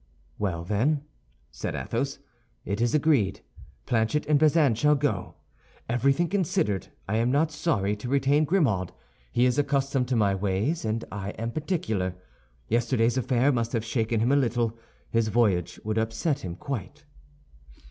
"Well, then," said Athos, "it is agreed. Planchet and Bazin shall go. Everything considered, I am not sorry to retain Grimaud; he is accustomed to my ways, and I am particular. Yesterday's affair must have shaken him a little; his voyage would upset him quite."